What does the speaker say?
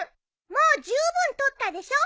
もうじゅうぶん撮ったでしょ。